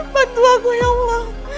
bantu aku ya allah